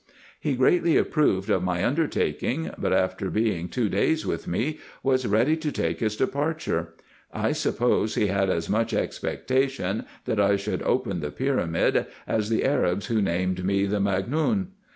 He greatly approved of my under taking, but after being two days with me was ready to take his de parture. I suppose he had as much expectation, that I should open the pyramid, as the Arabs who named me the magneton.